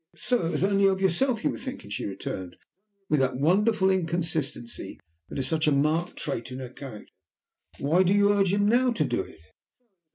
"So it was only of yourself you were thinking?" she returned, with that wonderful inconsistency that is such a marked trait in her character. "Why do you urge him now to do it?"